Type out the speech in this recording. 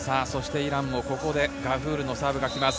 イランのガフールのサーブがきます。